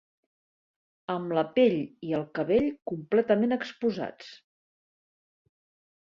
Amb la pell i el cabell completament exposats.